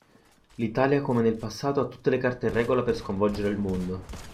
L'Italia come nel passato ha tutte le carte in regola per sconvolgere il mondo